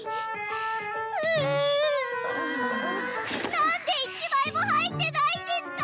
何で一枚も入ってないんですか！